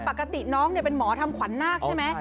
ปกติน้องเป็นหมอทำขวัญนาคใช่ไหม